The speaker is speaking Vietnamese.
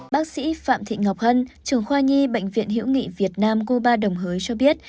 bác sĩ phạm thị ngọc hân trường khoa nhi bệnh viện hiễu nghị việt nam cuba đồng hới cho biết